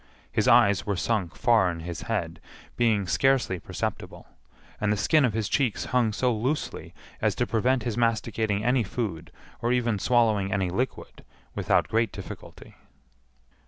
His eyes were sunk far in his head, being scarcely perceptible, and the skin of his cheeks hung so loosely as to prevent his masticating any food, or even swallowing any liquid, without great difficulty.